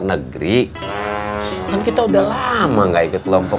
ya betul doi